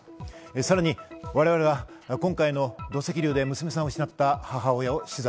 さらに我々は今回の土石流で娘さんを失った母親を取材。